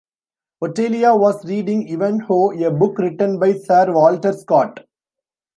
Otelia was reading "Ivanhoe", a book written by Sir Walter Scott.